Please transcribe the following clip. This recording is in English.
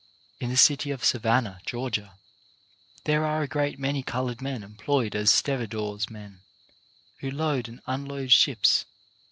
In the city of Savannah, Georgia, there are a great many coloured men employed as stevedores — men who load and unload ships.